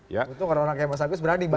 betul karena orang kayak mas agus berani